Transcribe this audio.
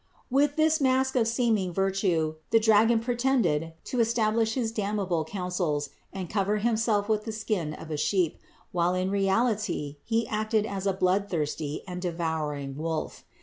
8 INTRODUCTION 9. With this masque of seeming virtue the dragon pretended to establish his damnable counsels and cover himself with the skin of a sheep, while in reality he acted as a bloodthirsty and devouring wolf.